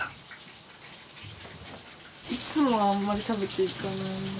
いつもはあんまり食べていかない。